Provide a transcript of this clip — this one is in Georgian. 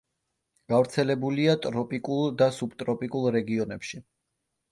გავრცელებულია ტროპიკულ და სუბტროპიკულ რეგიონებში.